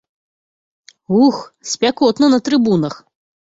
Ух, спякотна на трыбунах!